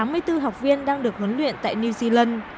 tám mươi bốn học viên đang được huấn luyện tại new zealand